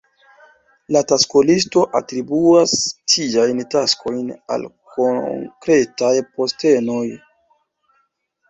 La taskolisto atribuas tiajn taskojn al konkretaj postenoj.